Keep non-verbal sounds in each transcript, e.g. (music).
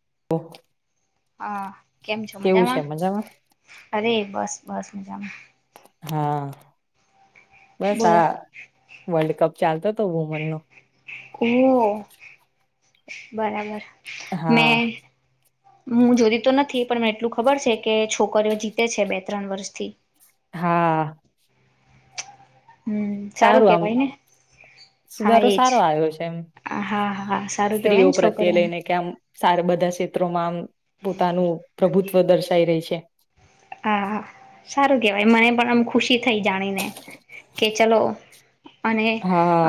(inaudible) હા કેમ છો કેવું છે મજામાં અરે બસ બસ મજામાં હા બસ બોલો આ વર્લ્ડ કપ ચાલતો હતો વુમન નો ઓહ બરાબર મેં હા હું જોતી તો નથી પણ મને એટલું ખબર છે કે છોકરીઓ જીતે છે બે ત્રણ વર્ષથી હા હમ સારું આમ કેવાય ને હા સુધારો એજ સારો આવ્યો છે એમ હા હા સારું કેવાય સ્ત્રીઓ ને પ્રત્યે છોકરીઓને લઈને કે આમ સારા બધા ક્ષેત્રોમાં આમ પોતાનું પ્રભુત્વ દર્શાઈ રહી છે હા સારુ કેવાય મને પણ આમ ખુશી થઈ જાણીને કે ચલો અને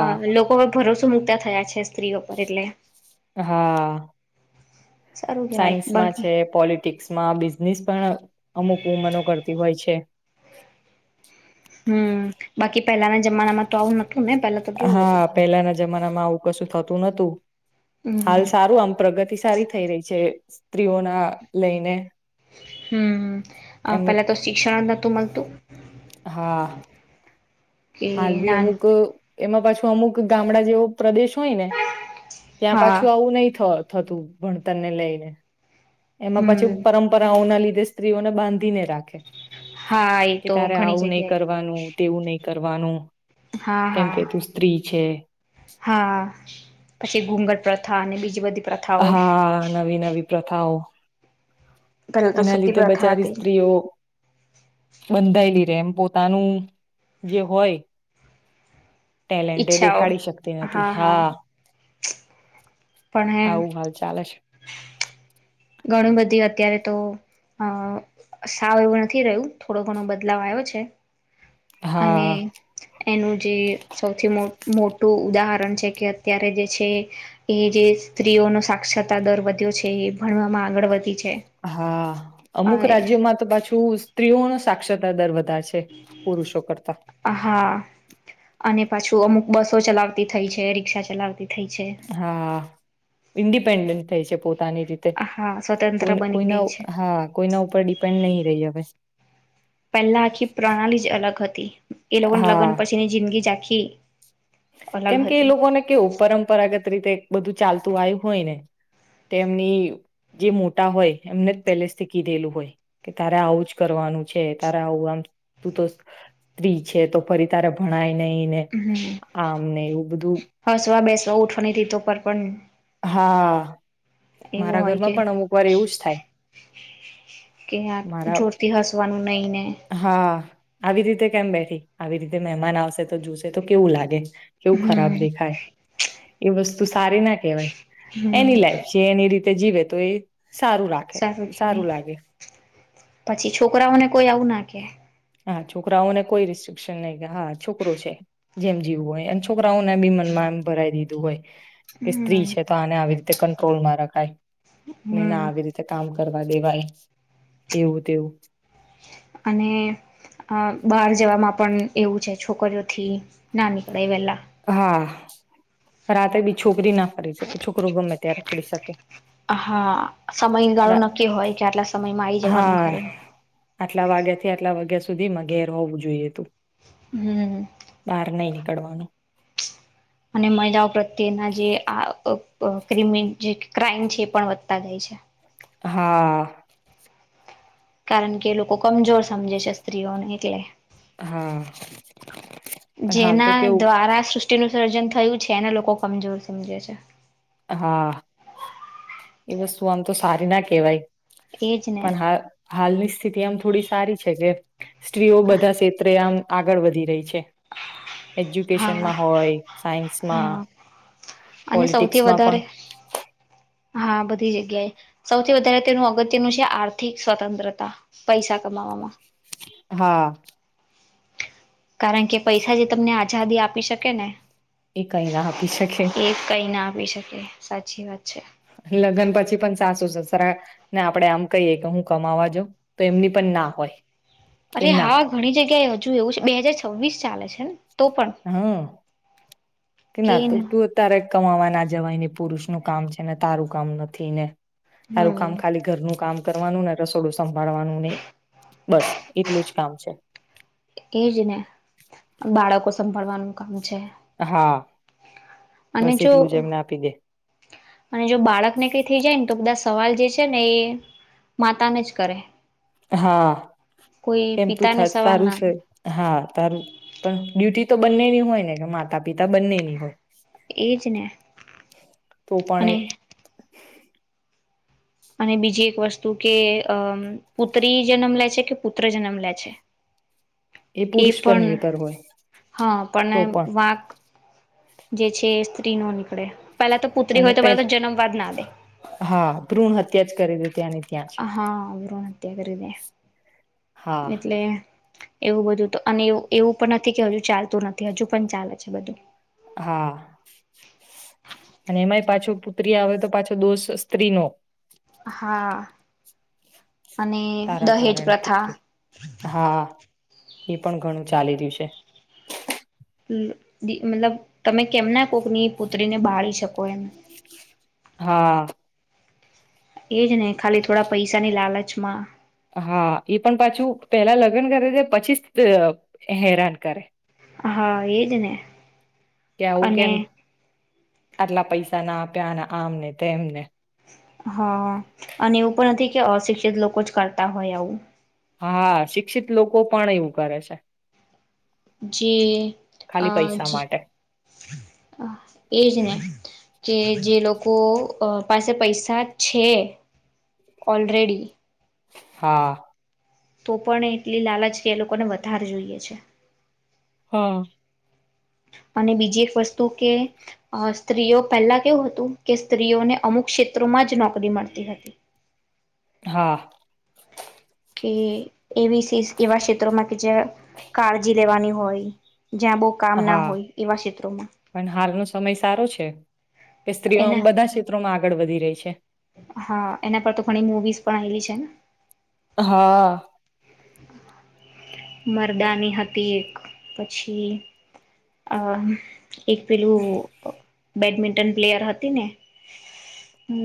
અ લોકો ભરોસો મુકતા થયા છે સ્ત્રીઓ પર એટલે હા સારું કેવાય સાયન્સમાં બાકી છે પોલિટિક્સ બિઝનેસ પણ અમુક વુંમનો કરતી હોય છે હમ બાકી પહેલાના જમાનામાં તો આવું નતું ને પેલા તો કેવું હતું હા પેલાના જમાનામાં આવું કશું થતું નતું હાલ હમ સારું આમ પ્રગતિ સારી થઈ રહી છે સ્ત્રીઓ ના લઈને (inaudible) હમ એમનું પેલા તો શિક્ષણ જ નતું મળતું હા. કે હાલ ભી ના અમુક. એમાં પાછું અમુક ગામડા જેવો. પ્રદેશ હોય ને ત્યાં હા પાછું આવું નહીં થય. થતું ભણતર ને લઈને. એમાં પછી હમ પરંપરાઓના લીધી. સ્ત્રીઓને બાંધીને રાખે. હા એ કે તો તારે ઘણી આવું નહી જગ્યાએ કરવાનું તેવું નહી. કરવાનું. હા કેમ હા કે તું સ્ત્રી છે. હા પછી ઘુંગર પ્રથ. થા અને બીજી બધી. પ્રથાઓ હા નવી નવી પ્રથાઓ. પેલા તો એના સતી લીધે પ્રથા બચારી હતી સ્ત્રીઓ બંધાઈ (unintelligible) જેમ પોતાનું જે હોય. ટેલેન્ટ એ ઈચ્છાઓ દેખાડી શકતી નથી હા પણ આવું હાલ ચાલે છે. ઘણી બધી અત્યારે તો અ સાવ એવું નથી રહ્યું થોડો ઘણો બદલાવ આવ્યો છે. અને હા એનું જે સૌથી મો મોટું. ઉદાહરણ છે કે અત્યારે જે છે એ જે સ્ત્રીઓનો સાક્ષરતા દર વધ્યો છે એ ભણવામાં આગળ વધી છે. હા અમુક રાજ્યોમાં તો પાછું. સ્ત્રીઓ નો સાક્ષરતા દર વધ હા અને (unintelligible) અમુક બસો ચલાવતી થઈ છે રિક્ષા ચલાવતી. થઈ છે. હા. ઈન્ડિપેન્ડન્ટ થાઈ છે. પોતાની રીતે હા સ્વતંત્ર કોઈ બની કોઈના ગઈ છે. હા કોઈના ઉપર ડિપેન્ડ નહી રહી હવે. પહેલા આખી પ્રણાલી જ અલગ. (inaudible) એ લોકો ને લગન હા પછી ની જિંદગી એ. કેમ કે એ લોકોને કેવું પરંપરાગત રીતે એક બધું ચાલતું આવ્યું હોય ને તો એમની જે મોટા હોય એમને જ પેલેસ થી કીધેલું હોય કે તારે આવું જ કરવાનું. છે તારા આવું તું તો સ્ત્રી છે તો ફરી તારે ભણાય નઈને. હમ હસવા બેસવા ઉઠવાની તી તો પર પણ હા. એવું મારા હોય ઘરમાં કે પણ અમુક વાર એવું જ થાય કે મારા જોરથી હસવાનું નઈ ને. હા આવી રીતે કેમ બેઠી આવી રીતે મહેમાન આવશે તો જોશે તો કેવું લાગે. કેવું ખરાબ હમ દેખાય એ વસ્તુ. સારી હમ એની લાઈ છે એની રીતે તે જીવ હતો એ સારું રાખે સારું લાગે. પછી છોકરાઓને કોઈ આવું ના કેે. હા છોકરાઓને કોઈ રિસ્ટ્રિકશન નહી હા છોકરો છે. જેમ જીવું હોય. છોકરો ને બી (unintelligible) મનમાંમ ભરાય દે દુબઈ. કે સ્ત્રી હમ છે. તો આને આવી રીતે કંટ્રોલમાં રખાય ના હમ આવી રીતે કામ કરવુ દે ભાઈ એવું તેવું. અને બહાર જવામાં પણ એવું છે છોકરીઓથી ના નીકળે વેલા. હા રાતે બી છોકરી ના કરીરી શકે છોકરોું ગમે ત્યાં રકડી શકે. હા સમયગાળો નક્કી હોય કે આટલા સમય મારી જવાનું હા ઘરે. આટલા વાગ્યા થી આટલા વાગ્યા સુધીમાં ઘેર હોવું જોઈએ તું. હમ (unintelligible) ચડનું (unintelligible) અને મહિલાઓ પ્રત્યેના જે આ ક્રિમિ જે ક્રાઈમ છે. એ પણ વધતા જાય છે. હા. કારણ કે એ લોકો કમજોર સમજે છે સ્ત્રીઓને એટલે. હા પણ હાલ તો જેના કેવું દ્વારા સૃષ્ટિનું. વિસર્જન થયું છે અનેને લોકો કમજોર સમજે છે. હા એ વસ્તુ આમ તો સારી ના કેહેવાય. એજ ને પણ હાલ હાલની એમ થોડી સારી કે સ્ત્રીઓ બધા ક્ષેત્રે આમ આગળ વધી રહી છે. હા એજ્યુકેશનમાં હોય સાયન્સમાં હા અને પોલિટિકસ સૌથી વધારે હા બધી જગ્યાએ સૌથી વધારે તેનું અગત્યનું છે આર્થિક સ્વતંત્રતા પૈસા કમાવામાં. હા કારણ કે પૈસા જે તમને આઝાદી આપી શકે ને. એ કઈ ના આપી શકે. ઓકે સાચી વાત છે. લગ્ન પછી પણ સાસુ છે સર ને આપડે આમ કહીએ કે હું કમાવા જો તો એમની પણ ના હોય. કે અરે ના હા ઘણી જગ્યાએ હજુ એવું છે બે હાજાર છવ્વીસ ચાલે છે. તો પણ. હા કે ના તો તું તારે કમાવા નાખ જવા ને પુરુષ નું કામ છે ને તારું કામ નથી ને. સારું કામ હમ ખાલી ઘરનું કામ કરવાનું નથી. રસોડું, સંભવાનું નહી બસ એટલું જ. કામ છે. એજ ને બાળકો સંભાળવાનું કામ, હા અને બસ જો એટલું જ એમને આપી દે અને જો બાળકને કઈ થઈ જાયને તો બધા સવાલ જે. છે ને એ માતાને જ કરે. હા. કોઈ કેમ તું થ પિતાને સવાલ તારું ના છે, કરે હા તારું પણ ડ્યુટી તો બંનેની હોય ને કે માતા પિતા બંનેની હોય. એજ ને તો પણ ને અને બીજી એક વસ્તુ કે અમ પુત્રી જન્મ લે છે, કે પુત્ર જન્મ લે છે. એ પુરુષ પર પણ નિર્ભર હોય હા પણ વાંક, જે છે સ્ત્રી નો નીકળે. પેલા તો પુત્રી અને હોય તો પે પેલા તો જન્મવાદ ના દે હા, ભ્રૂણ હત્યા જ કરી દી ત્યાની. હાવ બ્રુનહત્યા કરી દે હા એટલે એવું બધું તો અનેવ એવું પણ નથી, કે હજુ ચાલતું નથી હજુ પણ ચાલે છે બધું. હા, અને એમાંય પાછો પુત્રી આવે તો પાછો દોસ્ સ્ત્રીનો હા. અને તારા દહેજ કારણે પ્રથા, પુત્રી હા એ પણ ઘણું ચાલી રહયું છે. મતલબ તમે કેમના કોકની પુત્રીને બાળી શકો એમ. હા. એજ ને ખાલી થોડા પૈસાની લાલચમાં હા, એ પણ પાછું પેલા લગ્ન કરે પછી હેરાન કરે. હા, એ જને કે આવું કેમ? આટલા પૈસા ના આપ્યા અને આમને તેમને હા. અને એવું પણ નથી, કે અશિક્ષિત લોકો જ કરતા હોય, આવું હા, શિક્ષિત લોકો પણ એવું કરે છે. જી અ ખાલી જ પૈસા માટે એજ ને કે જે લોકો પાસે પૈસા છે, ઓલરેડી હા તો પણ એટલી લાલચ કે એ લોકોને વધારે જોઈએ છે, હા અને બીજી એક વસ્તુ કે અ સ્ત્રીઓ પહેલા કેવું હતું કે સ્ત્રીઓને અમુક ક્ષેત્રોમાં જ નોકરી મળતી હતી. હા કે એવી એવા ક્ષેત્રોમાં કે જ્યા કાળજી લેવાની હોય જ્યાં બહુ કામ ના હા હોય એવા ક્ષેત્રોમાં પણ હાલનો સમય સારો છે કે સ્ત્રીઓ એના આમ બધા ક્ષેત્રોમાં ગળ વધી રહી છે. વીસ પણ આવેલી છે ને હા. મરદાની હતી એક પછી અ એક પેલું. બેડમિન્ટન પ્લેયર હતી ને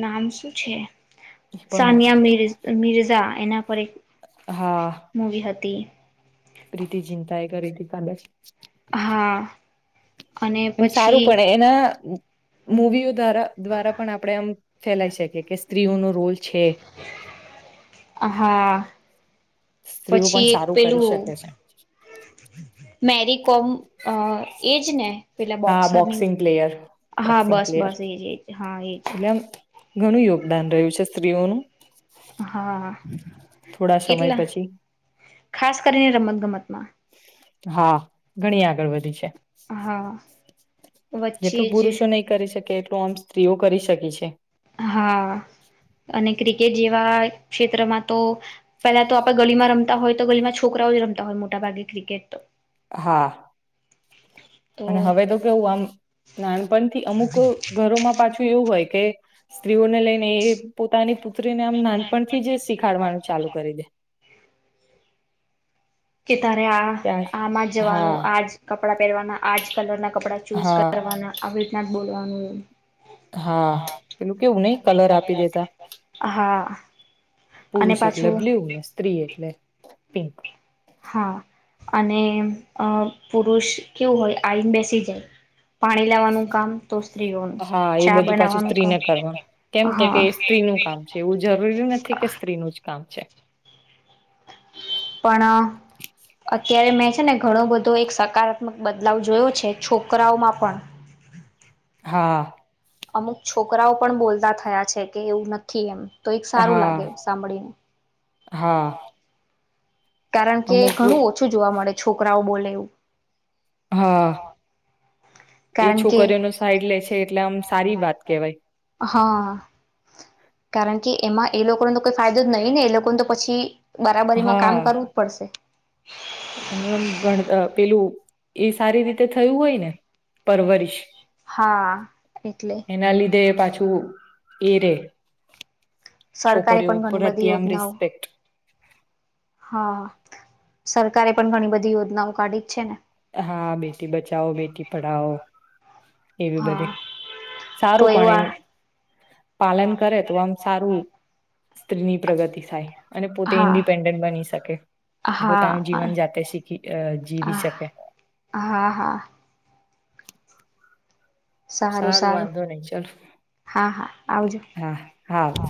નામ શું છે. એ પણ મ સાનિયા મિર્ઝ મિર્ઝા એના પરે (inaudible) મૂવી હતી. રીતિ ચિંતા એ કરી થી કાલે જ. હા. અને એમ સારું પછી પડે એના મૂવી. દ્વારા દ્વારા પણ આપડે એમ. ફેલાઈ શકે કે સ્ત્રીઓનો રોલ છે હા. સ્ત્રીઓ પણ પછી એક સારું કરી પેલું શકે છે મેરીકોમ અ એજ ને પેલા હા બોક્સરની બોક્સિંગ પ્લેયર હા બોક્સિંગ બસ પ્લેયર બસ એજ એજ હા એજ એટલે આમ ઘણું યોગદાન રહ્યું છે સ્ત્રીઓનું. હા થોડા સમય કેટલા પછી ખાસ કરીને રમત ગમતમાં. હા ઘણી આગળ વધી છે. હા. જેટલુ વચ્ચે જ પુરુષો નઈ કરી શક કે એટલું આમ સ્ત્રીઓ કરી શકી છે. હા અને ક્રિકેટ જેવા ક્ષેત્રમાં તો પેલા તો આપે ગલીમાં રમતા હોય તો ગલીમાં છોકરાઓ જ રમતા હોય મોટા ભાગે ક્રિકેટ તો. હા અને હવે તો કેવું આમ નાનપણથી અમુક ઘરોમાં પાછું એવું હોય કે સ્ત રીઓને લઈને એ પોતાની પુત્રીને આમ નાનપણથી જ શીખાડવાનું ચાલુ કરી દે. કે તારે આ ત્યાં આમાં જ હા જવાનું આ જ કપડાં પેરવાના આજ કલરના કપડા ચૂઝ હા કરવાના આવી રીતના બોલવાનું એવું. હા પેલું કેવું નઈ કલર આપી દેતા. હા અને પુરુષ એટલે પાછું બ્લુ સ્ત્રી એટલે પિન્ક. હા અને અ પુરુષ કેવું હોય આઈને બેસી જાય પાણી લેવાનું કામ તો સ્ત્રીઓનું હા એ ચા બધું પાછું બનાવાનું કામ સ્ત્રીને કરવાનું કેમ તો કે હા સ્ત્રીનું કામ છે એવું જરૂરી નથી કે સ્ત્રીનું જ કામ છે. પણ અત્યારે મેં છે ને ઘણો બધો એક સકારાત્મક બદલાવ જોયો છે છોકરાઓમાં પણ. હા. અમુક છોકરાઓ પણ બોલતા થયા છે કે એવું નથી એમ. તો એક સારું હા લાગે સાંભળીને. હા કારણ કે અમુક ઘણું ઓછું જોવા મળે છોકરાઓ બોલે. (inaudible) હા. એ કારણ કે છોકરીઓ ને સાઈડ લે છે એટલે આમ સારી વાત કેવાય. હા કારણ કે એમાં એ લોકોને તો કોઈ ફાયદો જ નહિને એ લોકોને તો પછી. બરાબરીમાં હા કામ કરવું જ પડશે. એમનું એમ ગણ અ પેલું એ સારી રીતે થયું હોય ને પરવરિશ હા એટલે. છું એરે સરકારે પણ ઘણી બધી યોજનાઓ રિસ્પેક્ટ હા સરકારે પણ ઘણી બધી યોજનાઓ કાઢી જ છે ને. હા બેટી બચાઓ બેટી પઢાઓ એવી બધી હા તો સારું પણ એમ એવા પાલન કરે તો આમ સારું સ્ત્રીની પ્રગતિ થાય અને પોતે હા ઇન્ડિપેન્ડન્ટ બની શકે પોતાનું હા જીવન જાતે શીખી જીવી હા શકે હા હા સારું સારું વાંધો નહી ચલ હા હા આવજો હા હુ